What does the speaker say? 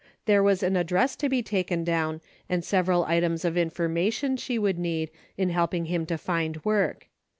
There was an address to be taken down and several items of information she would need in helping him to find work.